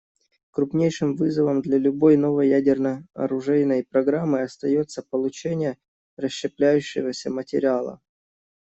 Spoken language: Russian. Крупнейшим вызовом для любой новой ядерно-оружейной программы остается получение расщепляющегося материала.